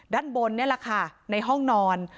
ด้านบนนี่แหละค่ะในห้องนอน